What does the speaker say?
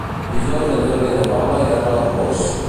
Dijous en Jordi i na Paula iran a l'Arboç.